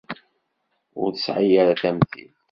Ur tesɛi ara tamtilt.